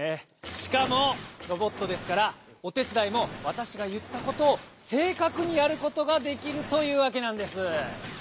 しかもロボットですからおてつだいもわたしがいったことを正かくにやることができるというわけなんです！